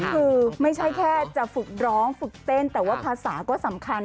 คือไม่ใช่แค่จะฝึกร้องฝึกเต้นแต่ว่าภาษาก็สำคัญ